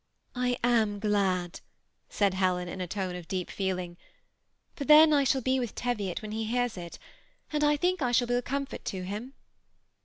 " I am glad," said Helen, in a tone of deep feeling ;'* for then I shall be with Teviot when he hears it, and I think I shall be a comfort to him."